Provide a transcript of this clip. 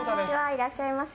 いらっしゃいませ。